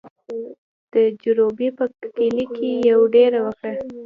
د جروبي په کلي کې یې دېره وکړه.